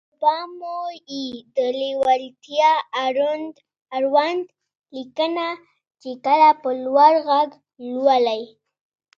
خو پام مو وي د ليوالتيا اړوند ليکنه چې کله په لوړ غږ لولئ.